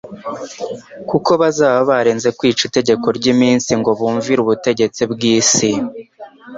Kuko bazaba baranze kwica itegeko ry'Imana ngo bumvire ubutegetsi bw'isi,